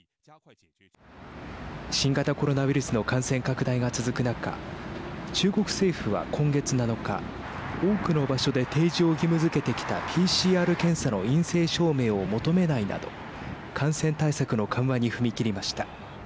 新型コロナウイルスの感染拡大が続く中中国政府は今月７日多くの場所で提示を義務づけてきたＰＣＲ検査の陰性証明を求めないなど感染対策の緩和に踏み切りました。